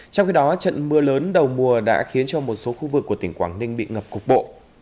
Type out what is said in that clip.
trong khi đó trận mưa lớn đầu mùa đã khiến cho một số khu vực của tỉnh quảng ninh bị ngập cục bộ